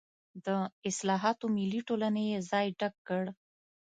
د اصلاحاتو ملي ټولنې یې ځای ډک کړ.